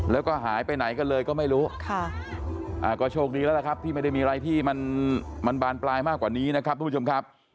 แล้วก็หายไปไหนกันเลยก็ไม่รู้ก็โชคดีแล้วล่ะครับที่ไม่ได้มีอะไรที่มันบานปลายมากกว่านี้นะครับทุกผู้ชมครับ